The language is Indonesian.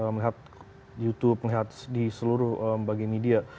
melihat youtube melihat di seluruh bagian media